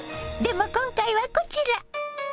でも今回はこちら！